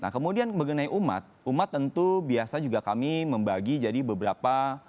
nah kemudian mengenai umat umat tentu biasa juga kami membagi jadi beberapa